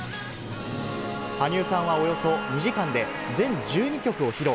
羽生さんはおよそ２時間で、全１２曲を披露。